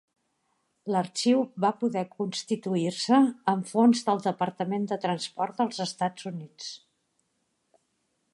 L'arxiu va poder constituir-se amb fons del departament de Transport dels Estats Units.